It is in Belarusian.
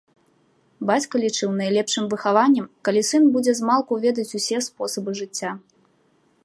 Бацька лічыў найлепшым выхаваннем, калі сын будзе змалку ведаць усе спосабы жыцця.